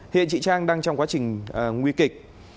hiện chị trang đang trong quá trình nguy kịch